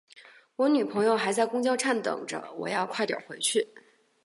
我女朋友还在公交站等着，我要快点回去。